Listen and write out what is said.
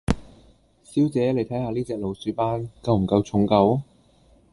小姐，妳睇下呢隻老鼠斑，夠唔夠重夠？